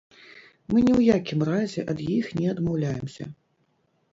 Мы ні ў якім разе ад іх не адмаўляемся.